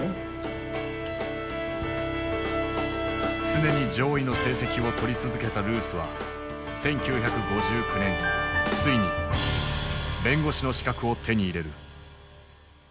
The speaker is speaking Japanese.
常に上位の成績を取り続けたルースは１９５９年ついに弁護士の資格を手に入れる。